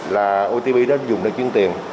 là otp đó dùng để chuyên tiền